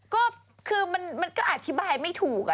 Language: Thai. ก็คือมันก็อธิบายไม่ถูก